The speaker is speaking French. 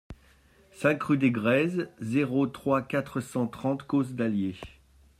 cinq rue des Grèzes, zéro trois, quatre cent trente Cosne-d'Allier